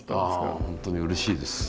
本当にうれしいです。